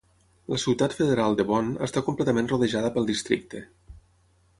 La ciutat federal de Bonn està completament rodejada pel districte.